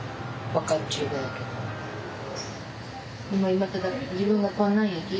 今ただ自分がこんなんやき。